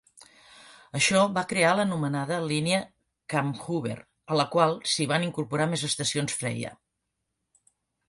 Això va crear l'anomenada Línia Kammhuber a la qual s'hi van incorporar més estacions "Freya".